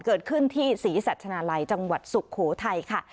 เกิดขึ้นที่ศรีสัชนาลัยจังหวัดสุโขทัยค่ะ